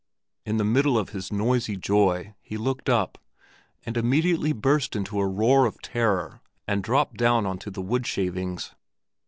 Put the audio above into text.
In the middle of his noisy joy, he looked up, and immediately burst into a roar of terror and dropped down on to the wood shavings.